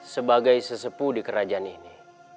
sebagai sesepu di kerajaan ini